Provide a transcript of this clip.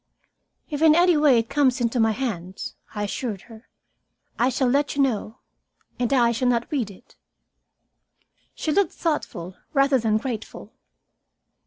"If in any way it comes into my hands," I assured her, "I shall let you know. And I shall not read it." She looked thoughtful rather than grateful.